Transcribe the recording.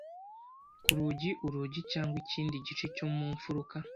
Ku rugi-urugi cyangwa ikindi gice cyo mu mfuruka